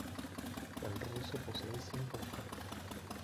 El ruso posee cinco vocales.